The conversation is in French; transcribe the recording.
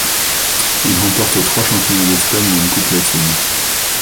Il remporte trois championnats d'Espagne et une Coupe latine.